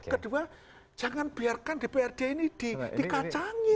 kedua jangan biarkan dprd ini dikacanggi